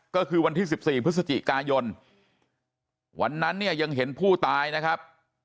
ก็คือวันที่๑๔พฤศจิกายนวันนั้นเนี่ยยังเห็นผู้ตายนะครับ